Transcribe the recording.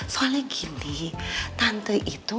soalnya gini tante itu